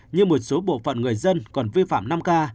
như một số bộ phận người dân còn vi phạm năm k